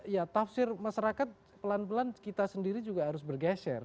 ya tafsir masyarakat pelan pelan kita sendiri juga harus bergeser